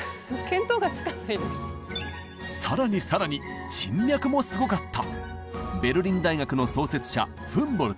更に更に人脈もすごかった！